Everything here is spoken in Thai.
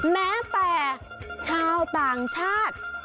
แม้แต่ชาวต่างชาติ